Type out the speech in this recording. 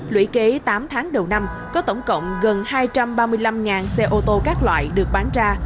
lũy kế tám tháng đầu năm có tổng cộng gần hai trăm ba mươi năm xe ô tô các loại được bán ra